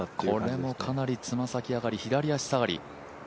これもかなり爪先上がり、左足下がり。